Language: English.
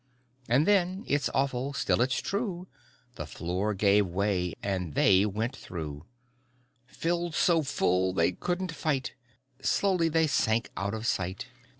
And then, it's awful, still it's true, The floor gave way and they went thru. Filled so full they couldn't fight. Slowly they sank out of sight.